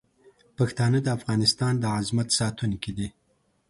پښتانه د افغانستان د عظمت ساتونکي دي.